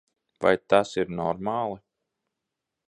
Vai tas ir normāli?